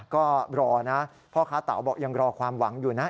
ก็รอนะพ่อค้าเต๋าบอกยังรอความหวังอยู่นะ